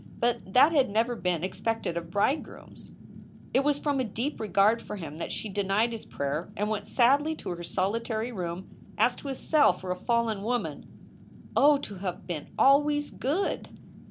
But that had never been expected of bridegrooms. It was from a deep regard for him that she denied his prayer and went sadly to her solitary room as to a cell for a fallen woman. Oh, to have been always good!